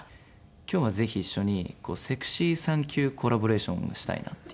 今日はぜひ一緒にセクシーサンキューコラボレーションをしたいなっていう。